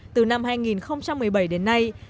từ năm hai nghìn một mươi bảy đến nay